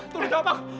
tolong jawab aku